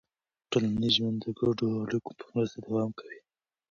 ټولنیز ژوند د ګډو اړیکو په مرسته دوام کوي.